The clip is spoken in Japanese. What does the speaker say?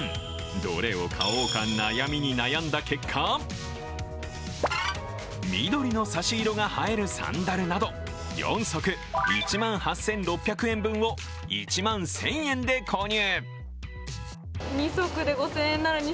どれを買おうか悩みに悩んだ結果、緑の差し色が映えるサンダルなど４足、１万８６００円分を１万１０００円で購入。